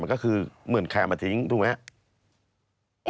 ก็คือเหมือนใครเอามาทิ้งถูกไหมครับ